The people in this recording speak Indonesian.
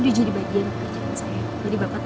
dan ini jadi bagian pekerjaan saya